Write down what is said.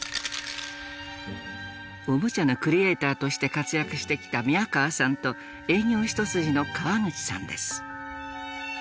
おもちゃのクリエーターとして活躍してきた宮河さんと営業一筋の川口さんです。